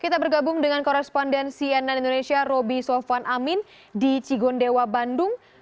kita bergabung dengan korespondensi nn indonesia roby sofwan amin di cigondewa bandung